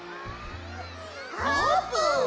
あーぷん！